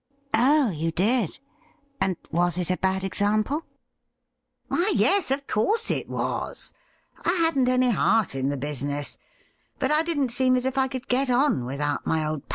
''' Oh, you did ; and was it a bad example ?'' Why, yes, of course it was. I hadn't any heart in the business ; but I didn't seem as if I could get on without my old pal.